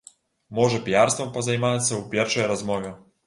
Можа піярствам пазаймацца у першай размове.